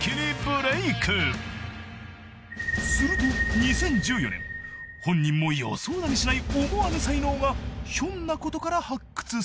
［すると２０１４年本人も予想だにしない思わぬ才能がひょんなことから発掘される］